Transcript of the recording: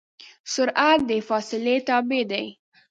سرعت د فاصلې تابع دی.